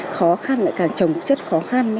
khó khăn lại càng trồng chất khó khăn